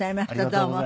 どうも。